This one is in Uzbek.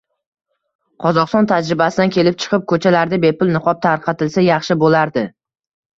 Qozog'iston tajribasidan kelib chiqib, ko'chalarda bepul niqob tarqatilsa yaxshi bo'lardi